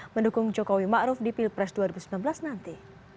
mendukung jokowi ma'ruf di pilpres dua ribu sembilan belas nanti